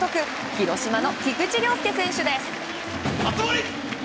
広島の菊池涼介選手です。